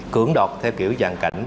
cưỡng đọt theo kiểu dàn cảnh